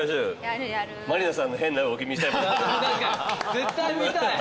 絶対見たい。